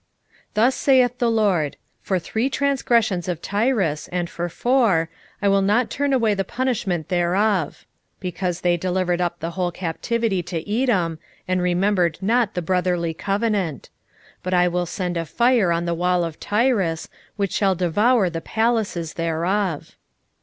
1:9 Thus saith the LORD; For three transgressions of Tyrus, and for four, I will not turn away the punishment thereof; because they delivered up the whole captivity to Edom, and remembered not the brotherly covenant: 1:10 But I will send a fire on the wall of Tyrus, which shall devour the palaces thereof.